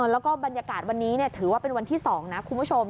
แล้วก็บรรยากาศวันนี้ถือว่าเป็นวันที่๒นะคุณผู้ชม